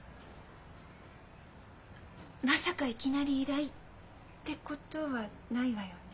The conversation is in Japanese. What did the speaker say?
まさかいきなり依頼ってことはないわよね？